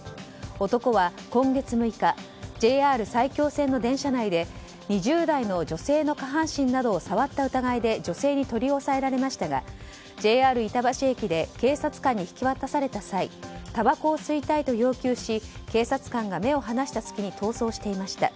男は、今月６日ＪＲ埼京線の電車内で２０代の女性の下半身などを触った疑いで女性に取り押さえられましたがＪＲ板橋駅で警察官に引き渡された際たばこを吸いたいと要求し警察官が目を離した隙に逃走していました。